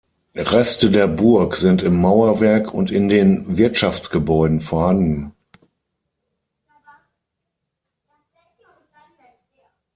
Reste der Burg sind im Mauerwerk und in den Wirtschaftsgebäuden vorhanden.